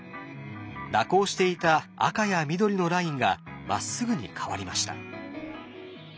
蛇行していた赤や緑のラインがまっすぐに変わりました。